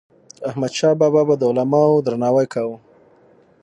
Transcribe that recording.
احمدشاه بابا به د علماوو درناوی کاوه.